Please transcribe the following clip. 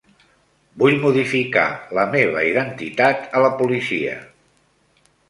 Vull modificar la meva identitat a la policia.